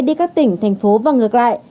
đi các tỉnh thành phố và ngược lại